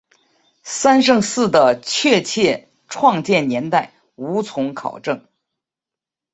三圣寺的确切创建年代无从考证。